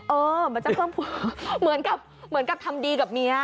เออมันจะเพิ่มภูมิเหมือนกับทำดีกับเมีย